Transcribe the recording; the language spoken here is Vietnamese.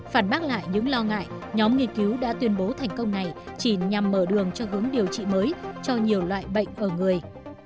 phản bác lại những lo ngại nhóm nghiên cứu đã tuyên bố thành công này chỉ nhằm mở đường cho hướng điều trị mới cho nhiều loại bệnh ở người